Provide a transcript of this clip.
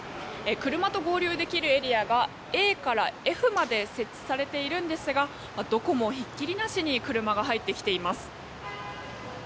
車と合流できるエリアがＡからＦまで設置されているんですがどこもひっきりなしに車が入ってきています。